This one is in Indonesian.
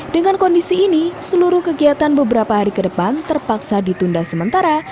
dengan kondisi ini seluruh kegiatan beberapa hari ke depan terpaksa ditunda sementara